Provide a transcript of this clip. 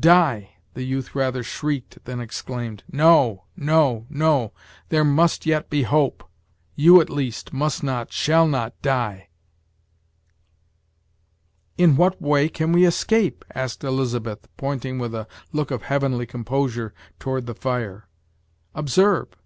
"Die!" the youth rather shrieked than exclaimed, "no no no there must yet be hope you, at least, must not, shall not die." "In what way can we escape?" asked Elizabeth, pointing with a look of heavenly composure toward the fire "Observe!